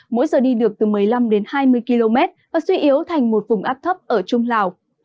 mỗi giờ đi được từ một mươi năm đến hai mươi km và suy yếu thành một vùng áp thấp ở trung lào